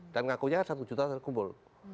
dan ngakunya kan satu juta terkumpul